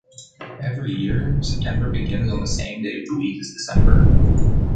Every year, September begins on the same day of the week as December.